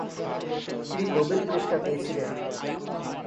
তিনি নোবেল পুরস্কার পেয়েছিলেন।